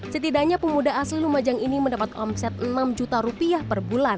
setidaknya pemuda asli lumajang ini mendapat omset enam juta rupiah per bulan